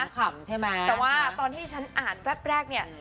แต่ว่าตอนที่ฉันอ่านแบบแรกเนี่ย